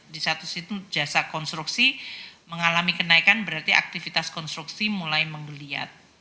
di satu situ jasa konstruksi mengalami kenaikan berarti aktivitas konstruksi mulai menggeliat